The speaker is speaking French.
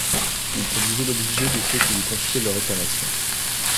Il se disait l'obligé de ceux qui lui confiaient leurs réclamations.